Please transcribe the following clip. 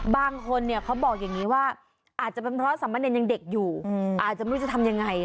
บางคนเนี่ยเขาบอกอย่างนี้ว่าอาจจะเป็นเพราะสามเณรยังเด็กอยู่อาจจะไม่รู้จะทำยังไง